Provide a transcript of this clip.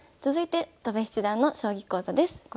続いて戸辺七段の将棋講座です。